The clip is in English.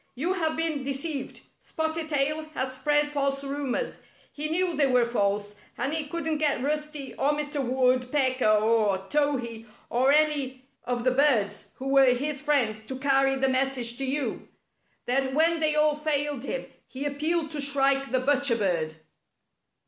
"You have been deceived. Spotted Tail has spread false rumors. He knew they were false, and he couldn't get Rusty or Mr. Wood pecker or Towhee or any of the birds, who were his friends, to carry the message to you. Then when they all failed him he appealed to Shrike the Butcher Bird."